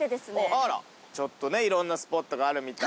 ちょっとねいろんなスポットがあるみたいで。